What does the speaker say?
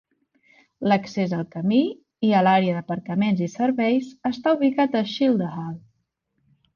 L'accés al camí, i a l'àrea d'aparcament i serveis, està ubicat a Sheldahl.